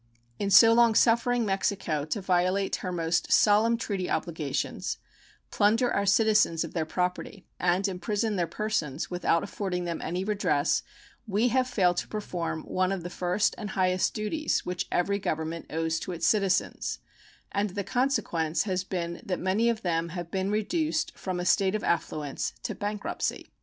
In so long suffering Mexico to violate her most solemn treaty obligations, plunder our citizens of their property, and imprison their persons without affording them any redress we have failed to perform one of the first and highest duties which every government owes to its citizens, and the consequence has been that many of them have been reduced from a state of affluence to bankruptcy.